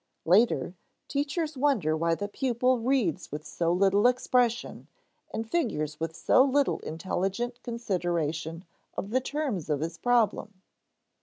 Later, teachers wonder why the pupil reads with so little expression, and figures with so little intelligent consideration of the terms of his problem.